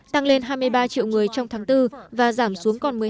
tăng lên hai mươi ba triệu người trong tháng bốn và giảm xuống còn một mươi năm